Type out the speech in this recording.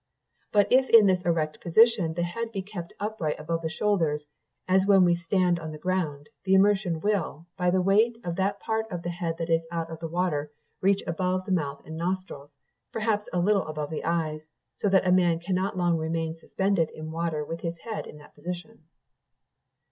"But if in this erect position the head be kept upright above the shoulders, as when we stand on the ground, the immersion will, by the weight of that part of the head that is out of the water, reach above the mouth and nostrils, perhaps a little above the eyes, so that a man cannot long remain suspended in water with his head in that position.